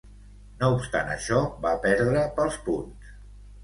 No obstant això, va perdre pels punts.